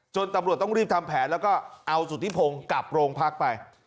ตำรวจต้องรีบทำแผนแล้วก็เอาสุธิพงศ์กลับโรงพักไป